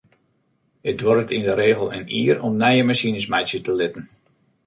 It duorret yn de regel in jier om nije masines meitsje te litten.